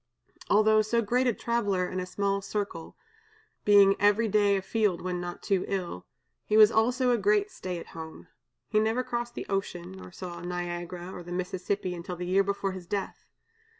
Although so great a traveler in a small circle being every day a field when not too ill, he was also a great stay at home. He never crossed the ocean, nor saw Niagara or the Mississippi until the year before his death.